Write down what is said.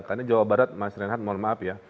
karena jawa barat mas renhat mohon maaf ya